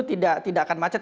tidak akan macet